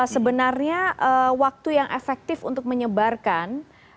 sebenarnya waktu yang efektif untuk menyebarkan